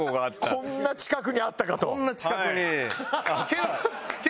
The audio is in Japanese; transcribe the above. こんな近くにあった。